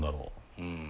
うん。